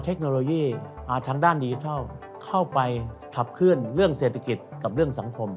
ทั้งด้านดิเวอร์ทัล